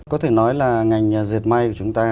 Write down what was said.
có thể nói là ngành diệt may của chúng ta